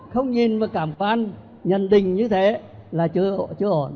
không nhìn mà cảm quan nhận định như thế là chưa ổn